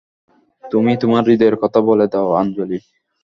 তুমি তোমার হৃদয়ের কথা বলে দাও আঞ্জলি।